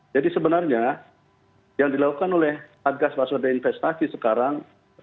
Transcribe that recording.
jadi sebenarnya yang dilakukan oleh adgas paswada investasi sekarang